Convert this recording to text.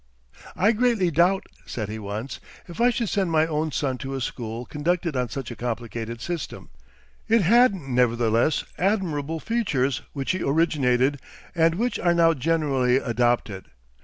"I greatly doubt," said he once, "if I should send my own son to a school conducted on such a complicated system." It had, nevertheless, admirable features, which he originated, and which are now generally adopted.